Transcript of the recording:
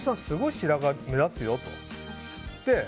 すごい白髪目立つよって。